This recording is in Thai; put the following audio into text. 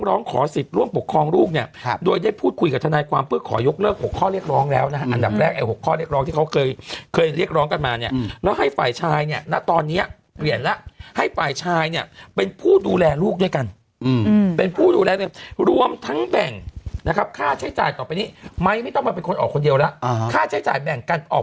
ร้องขอสิทธิ์ร่วมปกครองลูกเนี่ยโดยได้พูดคุยกับทนายความเพื่อขอยกเลิก๖ข้อเรียกร้องแล้วนะฮะอันดับแรกไอ้๖ข้อเรียกร้องที่เขาเคยเคยเรียกร้องกันมาเนี่ยแล้วให้ฝ่ายชายเนี่ยณตอนนี้เปลี่ยนแล้วให้ฝ่ายชายเนี่ยเป็นผู้ดูแลลูกด้วยกันเป็นผู้ดูแลเรียมรวมทั้งแบ่งนะครับค่าใช้จ่ายต่อไปนี้ไม้ไม่ต้องมาเป็นคนออกคนเดียวแล้วค่าใช้จ่ายแบ่งกันออก